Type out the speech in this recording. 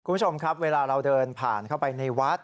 คุณผู้ชมครับเวลาเราเดินผ่านเข้าไปในวัด